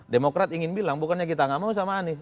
demokrat ingin bilang bukannya kita gak mau sama anies